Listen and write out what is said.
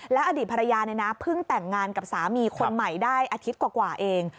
อดีตภรรยาเพิ่งแต่งงานกับสามีคนใหม่ได้อาทิตย์กว่าเอง